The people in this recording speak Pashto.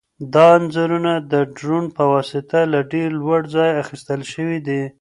دا انځورونه د ډرون په واسطه له ډېر لوړ ځایه اخیستل شوي دي.